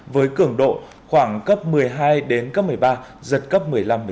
với cường độ khoảng cấp một mươi hai đến cấp một mươi ba giật cấp một mươi năm một mươi năm